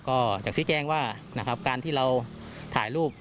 ก็จะซื้อแจ้งว่านะครับการที่เราถ่ายรูป